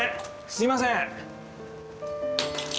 すいません！